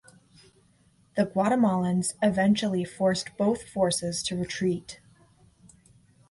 The Guatemalans eventually forced both forces to retreat.